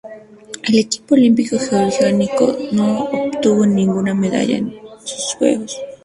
El equipo olímpico georgiano no obtuvo ninguna medalla en estos Juegos.